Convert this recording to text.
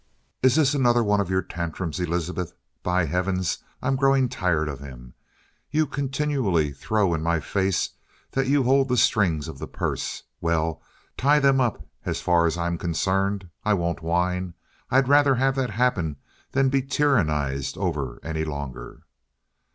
"Is this another one of your tantrums, Elizabeth? By heavens, I'm growing tired of 'em. You continually throw in my face that you hold the strings of the purse. Well, tie them up as far as I'm concerned. I won't whine. I'd rather have that happen than be tyrannized over any longer."